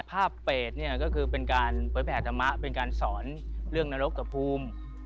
ภาพเปดเนี่ยก็คือเป็นการเปิดแผ่นธรรมะเป็นการสอนเรื่องนรกต่อภูมิ